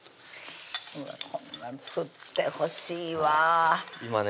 こんなん作ってほしいわ今ね